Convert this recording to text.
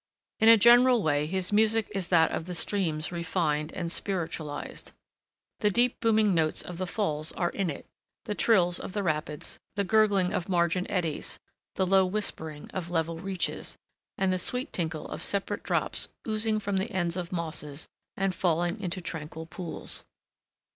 In a general way his music is that of the streams refined and spiritualized. The deep booming notes of the falls are in it, the trills of rapids, the gurgling of margin eddies, the low whispering of level reaches, and the sweet tinkle of separate drops oozing from the ends of mosses and falling into tranquil pools.